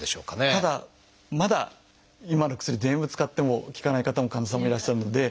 ただまだ今ある薬全部使っても効かない方も患者さんもいらっしゃるので。